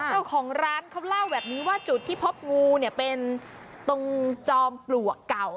เจ้าของร้านเขาเล่าแบบนี้ว่าจุดที่พบงูเนี่ยเป็นตรงจอมปลวกเก่า